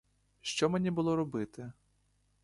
Що мені було робити?